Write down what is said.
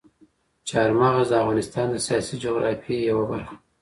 چار مغز د افغانستان د سیاسي جغرافیې یوه برخه ده.